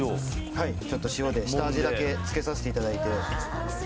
はいちょっと塩で下味だけつけさせてただいてうわ